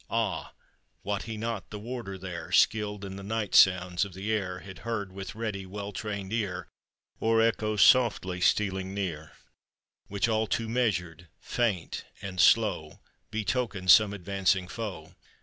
Ah ! wot he not the warder there, Skilled in the night sounds of the air, Had heard with ready, well trained ear, Oar echoes softly stealing near, Which all too measured, faint, and slow, Betokened some advancing foe?